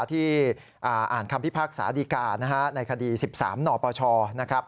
ที่อ่านคำพิพากษาดีกาในคดี๑๓นปชนะครับ